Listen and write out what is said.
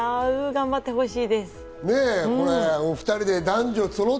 頑張ってほしい。